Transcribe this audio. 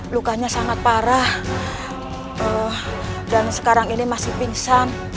lukanya sangat parah dan sekarang ini masih pingsan